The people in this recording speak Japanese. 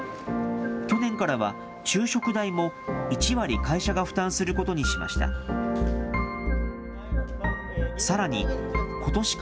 去年からは、昼食代も１割、会社が負担することにしました。